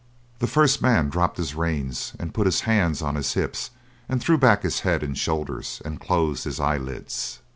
The first man dropped his reins and put his hands on his hips and threw back his head and shoulders and closed his eyelids.